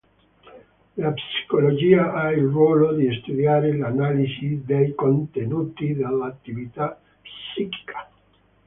La psicologia ha il ruolo di studiare l'analisi dei contenuti dell'attività psichica.